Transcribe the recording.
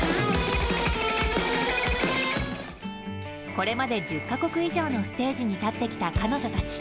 これまで、１０か国以上のステージに立ってきた彼女たち。